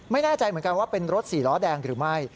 ไม่แน่ใจเหมือนกันว่าเป็นรถสี่ล้อแดงหรือไม่